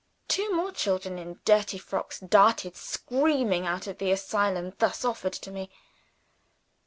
Two more children in dirty frocks darted, screaming, out of the asylum thus offered to me.